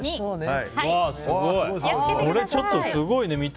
これ、ちょっとすごいね。